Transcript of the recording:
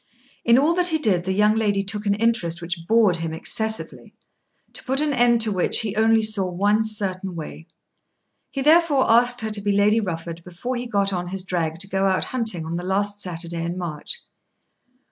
In all that he did the young lady took an interest which bored him excessively, to put an end to which he only saw one certain way. He therefore asked her to be Lady Rufford before he got on his drag to go out hunting on the last Saturday in March.